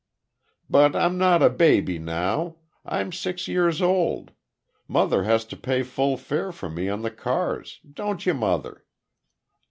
"But I'm not a baby, now. I'm six years old. Mother has to pay full fare for me on the cars. Don't you, mother?"